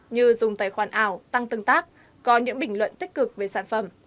như dùng tài khoản ảo tăng tương tác có những bình luận tích cực về sản phẩm